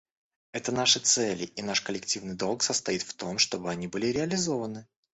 Это наши цели, и наш коллективный долг состоит в том, чтобы они были реализованы.